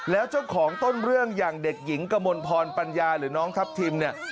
แล้วเจ้าของต้นเรื่องอย่างเด็กหญิงกมลพรปัญญาหรือน้องทัพทิมเนี่ย